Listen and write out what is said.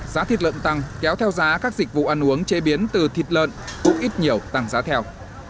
giá thịt lợn tăng kéo theo giá các dịch vụ ăn uống chế biến từ thịt lợn cũng ít nhiều tăng giá theo